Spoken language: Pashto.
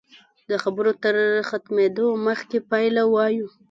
د خبرو تر ختمېدو مخکې پایله وایو.